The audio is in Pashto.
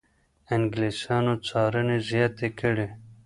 انګلیسانو څارنې زیاتې کړې.